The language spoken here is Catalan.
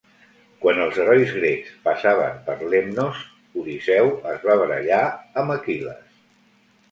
Quan els herois grecs passaven per Lemnos, Odisseu es va barallar amb Aquil·les.